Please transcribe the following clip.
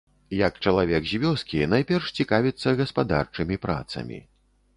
Як чалавек з вёскі, найперш цікавіцца гаспадарчымі працамі.